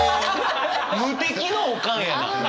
無敵のオカンやな！